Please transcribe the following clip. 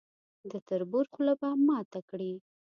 د تربور خوله به ماته کړي.